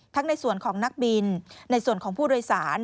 ในส่วนของนักบินในส่วนของผู้โดยสาร